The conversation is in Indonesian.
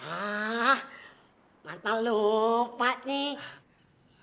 ah mantal lupa nih